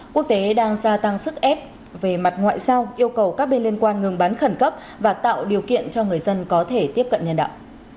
quốc tế đang gia tăng sức ép về mặt ngoại giao yêu cầu các bên liên quan ngừng bắn khẩn cấp và tạo điều kiện cho người dân có thể tiếp cận nhân đạo